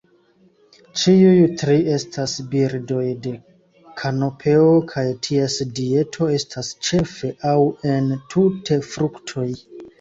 Ĉiuj tri estas birdoj de kanopeo, kaj ties dieto estas ĉefe aŭ entute fruktoj.